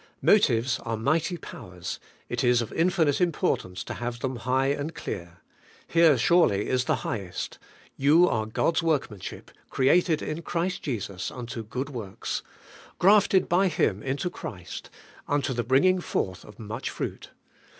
Motives are mighty powers; it is of infinite import ance to have them high and clear. Here surely is the highest: 'You are God's workmanship, created in Christ Jesus unto good works:' grafted by Him into Christ, unto the bringing forth of much fruit.